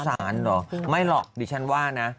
สารเหรอไม่หรอกดิฉันว่านะ